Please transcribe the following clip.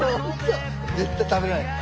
絶対食べない。